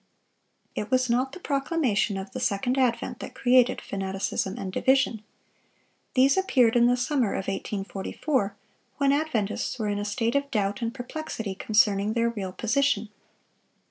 It was not the proclamation of the second advent that created fanaticism and division. These appeared in the summer of 1844, when Adventists were in a state of doubt and perplexity concerning their real position.